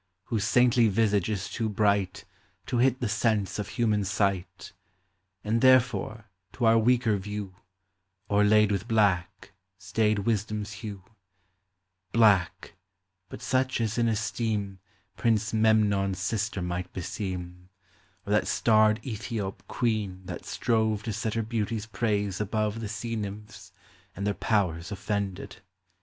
"Whose saintly visage is too bright To hit the sense of human sight, And therefore, to our weaker view, O'erlaid with black, staid Wisdom's hue, — Black, but such as in esteem Prince Me union's sister might beseem, Or that starred E tin" op queen that strove To set her beauty's praise above The Sea Nymphs, and their powers offended.